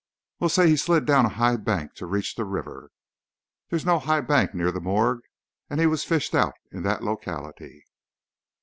"Well, say he slid down a high bank to reach the river " "There's no high bank near the morgue, and he was fished out in that locality."